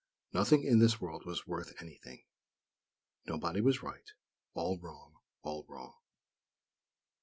Nothing in this world was worth anything; nobody was right; all wrong, all wrong!